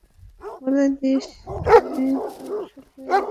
বলে দিস আমি তোর সাথে আছি।